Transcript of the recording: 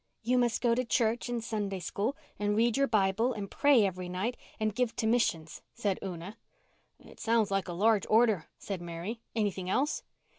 "You must go to church and Sunday School and read your Bible and pray every night and give to missions," said Una. "It sounds like a large order," said Mary. "Anything else?"